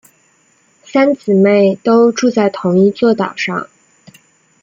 三姊妹都住在同一座岛上。